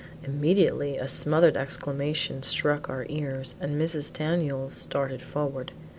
Immediately a smothered exclamation struck our ears, and Mrs. Daniels started forward.